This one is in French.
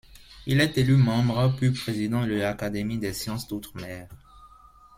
Il est élu membre, puis président de l’Académie des sciences d'outre-mer.